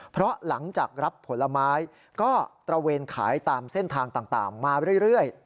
เพราะหลังจากรับผลไม้ก็ตระเวนขายตามเส้นทางต่างมาเรื่อย